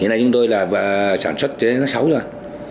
hiện nay chúng tôi là sản xuất tới năm sáu rồi